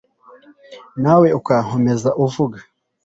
nawe ukankomeza uvuga